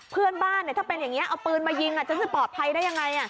เพื่อนบ้านถ้าเป็นอย่างนี้เอาปืนมายิงจะปลอดภัยได้ยังไง